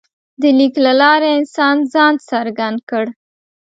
د لیک له لارې انسان ځان څرګند کړ.